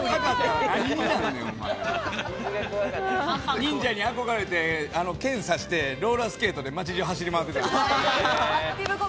忍者に憧れてローラースケートで街じゅう走り回ってた。